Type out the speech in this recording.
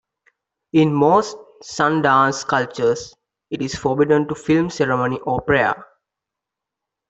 In most sun dance cultures, it is forbidden to film ceremony or prayer.